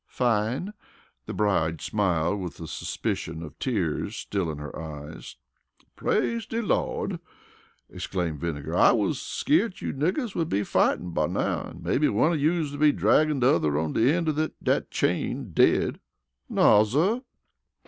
"Fine," the bride smiled, with a suspicion of tears still in her eyes. "Praise de Lawd!" exclaimed Vinegar. "I wus skeart you niggers would be fightin' by now, an' mebbe one of yous would be draggin' de yuther on de end o' dat chain dead!" "Naw, suh!"